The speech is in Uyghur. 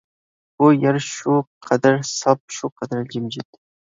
بۇ يەر شۇ قەدەر ساپ، شۇ قەدەر جىمجىت.